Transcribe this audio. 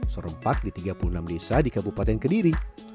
serempak di tiga puluh enam desa di kabupaten kediri